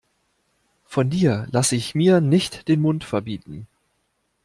Von dir lasse ich mir nicht den Mund verbieten.